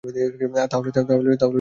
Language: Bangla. তাহলে জবাব দিন।